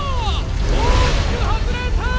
大きく外れた！